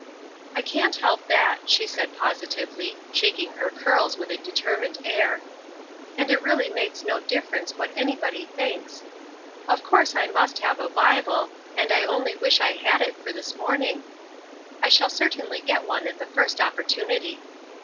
"I can't help that," she said, positively, shaking her curls with a determined air; "and it really makes no difference what anybody thinks. Of course I must have a Bible, and I only wish I had it for this morning, I shall certainly get one the first opportunity."